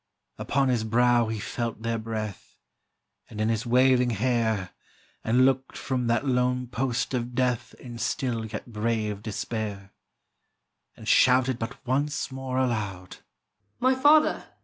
Upon his brow he felt their breath, And in his waving hair, And looked from that lone post of death In still yet brave despair; And shouted but once more aloud, "My father!